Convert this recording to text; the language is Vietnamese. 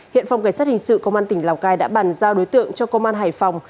hiện phòng cảnh sát hình sự công an tỉnh lào cai đã bàn giao đối tượng cho công an hải phòng